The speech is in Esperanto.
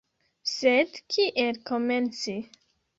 Sed kiel komenci?